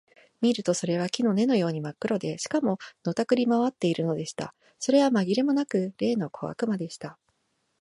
見るとそれは木の根のようにまっ黒で、しかも、のたくり廻っているのでした。それはまぎれもなく、例の小悪魔でした。